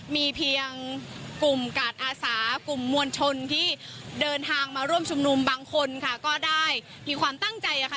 มีเพียงกลุ่มกาดอาสากลุ่มมวลชนที่เดินทางมาร่วมชุมนุมบางคนค่ะก็ได้มีความตั้งใจค่ะ